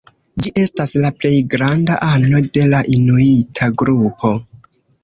Ĝi estas la plej granda ano de la inuita grupo.